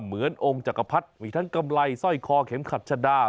เหมือนองค์จักรพลัชมิรทันกำไรซ่อยคอเข็มขัตชดา